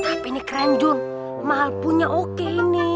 ya tapi ini keren jun mahal punya oke ini